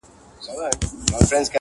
څوك به بولي له آمو تر اباسينه!